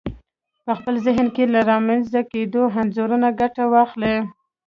په خپل ذهن کې له رامنځته کېدونکو انځورونو ګټه واخلئ.